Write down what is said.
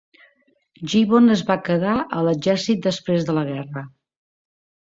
Gibbon es va quedar a l'exèrcit després de la guerra.